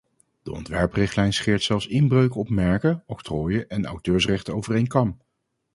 De ontwerprichtlijn scheert zelfs inbreuken op merken, octrooien en auteursrechten over één kam.